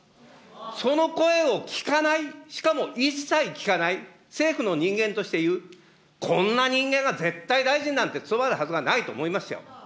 その声を聞かない、しかも一切聞かない、政府の人間として言う、こんな人間が絶対、大臣なんて務まるはずがないと思いましたよ。